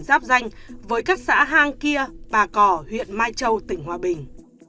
giáp danh với các xã hang kia bà cỏ huyện mai châu tỉnh hòa bình